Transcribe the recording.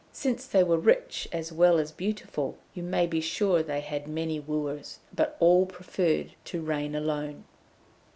Since they were rich as well as beautiful you may be sure they had many wooers, but all preferred to reign alone.